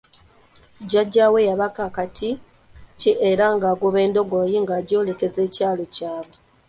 Jjajja we yabaka akati ki era n'agoba endogoyi ng'agyolekeza ekyalo kyabwe.